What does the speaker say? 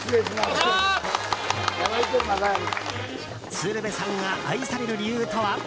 鶴瓶さんが愛される理由とは？